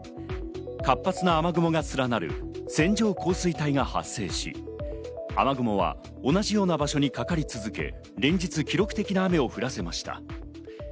活発な雨雲が連なる線状降水帯が発生し、雨雲は同じような場所にかかり続け、連日、記録的な雨を降らせました。